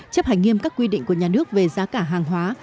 chấp hành nghiêm các quy định của nhà nước về giá cả hàng hóa